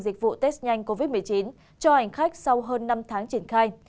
dịch vụ test nhanh covid một mươi chín cho hành khách sau hơn năm tháng triển khai